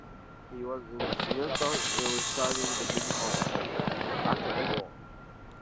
He was instrumental in restarting the medical school after the war.